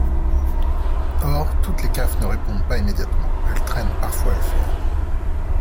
Or toutes les CAF ne répondent pas immédiatement : elles traînent parfois à le faire.